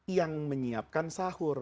yang menyiapkan sahur